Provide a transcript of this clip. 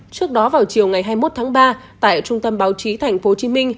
trước đó vào chiều ngày hai mươi một tháng ba tại trung tâm báo chí tp hcm